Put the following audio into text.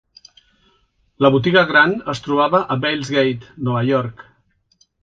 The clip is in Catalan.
La botiga Grant es trobava a Vails Gate, Nova York.